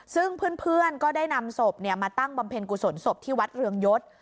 ซึ่งเพื่อนก็ได้นำศพมาตั้งบำเพ็ญกุศลศพที่วัดเรืองยศ